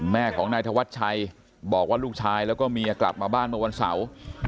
แม่ของนายธวัชชัยบอกว่าลูกชายแล้วก็เมียกลับมาบ้านเมื่อวันเสาร์